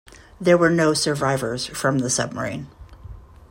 There were no survivors from the submarine.